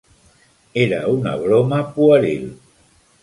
Era una broma pueril.